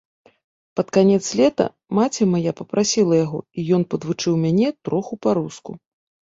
Пад канец лета маці мая папрасіла яго, і ён падвучыў мяне троху па-руску.